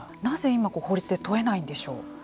今法律で問えないんでしょう。